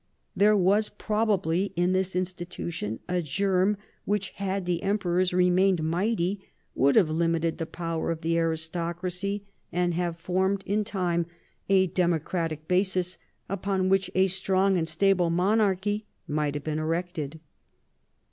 There was probably in this institution a germ w^hich, had the emperors remained mighty, would have limited the power of the aristocracy, and have formed RESULTS. 327 in time a democratic basis upon which a strong and stable monarchy might have been erected.